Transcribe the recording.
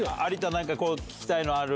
何か聞きたいのある？